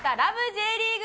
Ｊリーグ』。